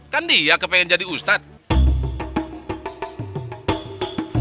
kan dia kepengen jadi ustadz